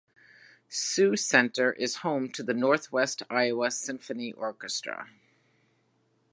Sioux Center is home to the Northwest Iowa Symphony Orchestra.